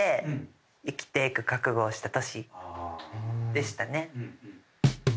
でしたね。